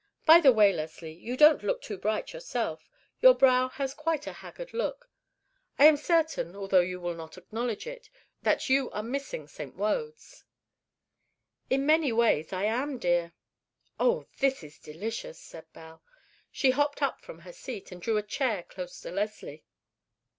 By the way, Leslie, you don't look too bright yourself; your brow has quite a haggard look. I am certain, although you will not acknowledge it, that you are missing St. Wode's." "In many ways I am, dear." "Oh, this is delicious," said Belle. She hopped up from her seat, and drew a chair close to Leslie.